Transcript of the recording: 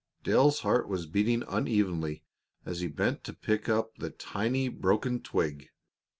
Dale's heart was beating unevenly as he bent to pick up the tiny broken twig.